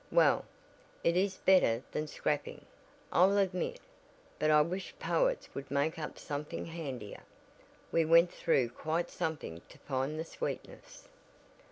Well, it is better than scrapping, I'll admit, but I wish poets would make up something handier. We went through quite something to find the sweetness."